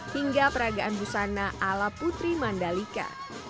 hingga peragaan busana ala putri mandalika